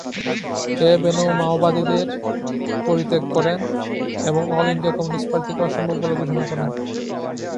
কে. ভেনু মাওবাদীদের পরিত্যাগ করেন এবং অল ইন্ডিয়া কমিউনিস্ট পার্টিকে অসম্ভব বলে ঘোষণা করেন।